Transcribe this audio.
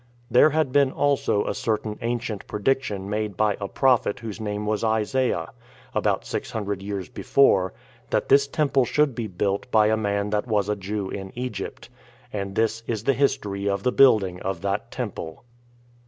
There had been also a certain ancient prediction made by [a prophet] whose name was Isaiah, about six hundred years before, that this temple should be built by a man that was a Jew in Egypt. And this is the history of the building of that temple.